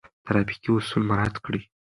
ترافيکي اصول مراعات کړئ.